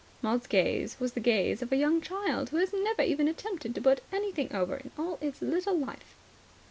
Maud's gaze was the gaze of a young child who has never even attempted to put anything over in all its little life.